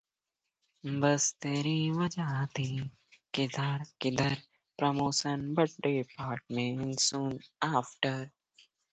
Sometime after graduating, Ishimura signed with the agency Oscar Promotion but departed soon after.